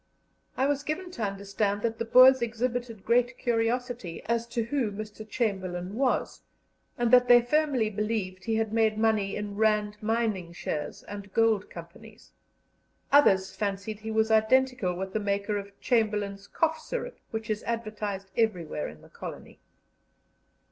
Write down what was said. I was given to understand that the Boers exhibited great curiosity as to who Mr. Chamberlain was, and that they firmly believed he had made money in Rand mining shares and gold companies; others fancied he was identical with the maker of Chamberlain's Cough Syrup, which is advertised everywhere in the colony.